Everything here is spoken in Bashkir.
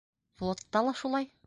- Флотта ла шулай.